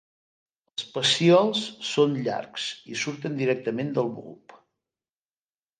Els pecíols són llargs i surten directament del bulb.